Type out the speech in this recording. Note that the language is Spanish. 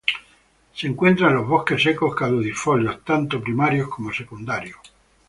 Se encuentra en los bosques secos caducifolios, tanto primarios como secundarios.